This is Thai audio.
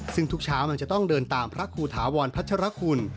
ซึ่งทุกเช้ามันจะต้องเดินตามพระครูถาวรพัชรคุณ